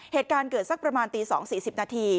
เหตุการณ์เกิดสักประมาณตี๒๔๐นาที